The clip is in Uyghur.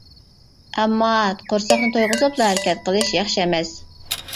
ئەمما قورساقنى تويغۇزۇپلا ھەرىكەت قىلىش ياخشى ئەمەس.